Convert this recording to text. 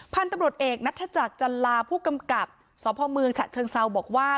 พันธุ์ตำรวจเอกณัฐจักรจัลลาผู้กำกัดสมศเชิงเซาบอกว่า